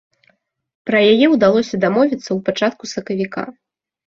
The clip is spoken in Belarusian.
Пра яе ўдалося дамовіцца ў пачатку сакавіка.